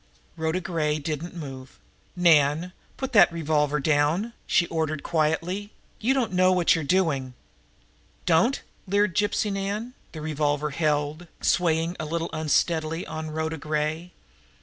Rhoda Gray did not move. "Nan, put that revolver down!" she ordered quietly. "You don't know what you are doing." "Don't!" leered Gypsy Nan. The revolver held, swaying a little unsteadily, on Rhoda Gray.